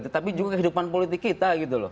tetapi juga kehidupan politik kita gitu loh